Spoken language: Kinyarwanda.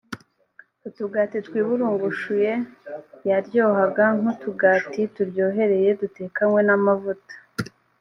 utugati twiburungushuye yaryohaga nk utugati turyohereye dutekanywe n amavuta